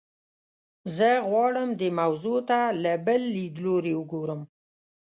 زه غواړم دې موضوع ته له بل لیدلوري وګورم.